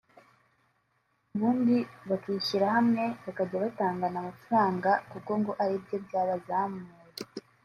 ubundi bakishyira hamwe bakajya batangana amafaranga kuko ngo aribyo byabazamura